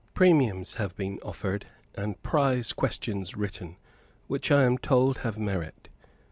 Premiums have been offered, and prize questions written, which I am told have merit.